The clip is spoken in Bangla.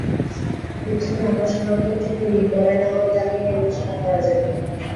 প্রথমে আমরা শনাক্ত তো করি, পরে না হয় তাকে নিয়ে আলোচনা করা যাবে।